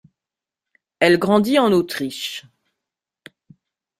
Elle grandit en Autriche.